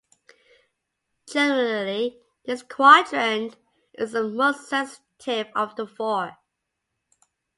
Generally, this quadrant is the most sensitive of the four.